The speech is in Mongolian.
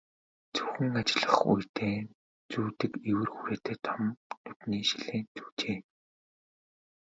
Зөвхөн ажиллах үедээ зүүдэг эвэр хүрээтэй том нүдний шилээ зүүжээ.